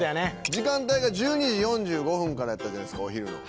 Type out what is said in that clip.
時間帯が１２時４５分からやったじゃないっすかお昼の。